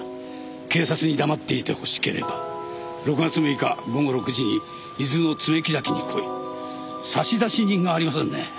「警察に黙っていてほしければ６月６日午後６時に伊豆の爪木崎に来い」差出人がありませんね。